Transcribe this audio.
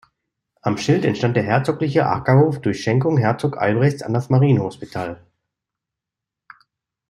Am Schild entstand der herzogliche Ackerhof durch Schenkung Herzog Albrechts an das Marienhospital.